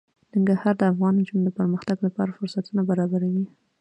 ننګرهار د افغان نجونو د پرمختګ لپاره فرصتونه برابروي.